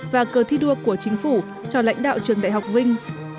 và cờ thi đua của chính phủ cho lãnh đạo trường đại học vinh